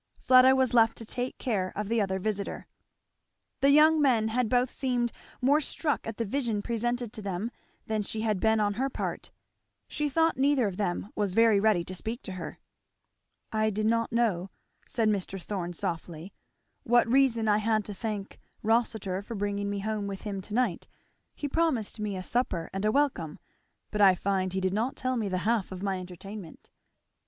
Fleda was left to take care of the other visitor. The young men had both seemed more struck at the vision presented to them than she had been on her part. She thought neither of them was very ready to speak to her. "I did not know," said Mr. Thorn softly, "what reason I had to thank Rossitur for bringing me home with him to night he promised me a supper and a welcome, but I find he did not tell me the half of my entertainment."